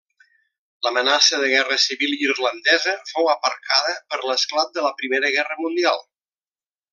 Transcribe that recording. L'amenaça de guerra civil irlandesa fou aparcada per l'esclat de la Primera Guerra Mundial.